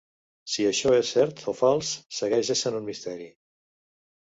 Si això és cert o fals segueix essent un misteri.